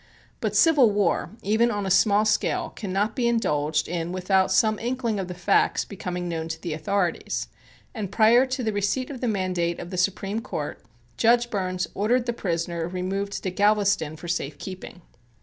But civil war, even on a small scale, cannot be indulged in without some inkling of the facts becoming known to the authorities, and prior to the receipt of the mandate of the Supreme Court, Judge Burns ordered the prisoner removed to Galveston for safe keeping.